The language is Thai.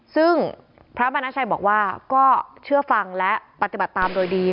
ซึ่งพระมณชัยบอกว่าก็เชื่อฟังและปฏิบัติตามโดยดี